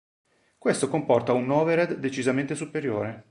Questo comporta un overhead decisamente superiore.